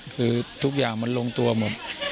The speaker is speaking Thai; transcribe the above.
คือทุกอย่างมันลงตัวหมด